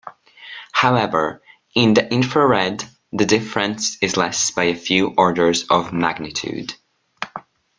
However, in the infrared, the difference is less by a few orders of magnitude.